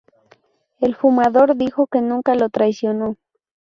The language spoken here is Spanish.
El Fumador dijo que nunca lo traicionó.